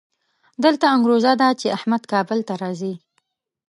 دلته انګروزه ده چې احمد کابل ته راځي.